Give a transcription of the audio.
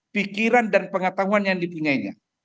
pikiran dan pengetahuan yang dipunyainya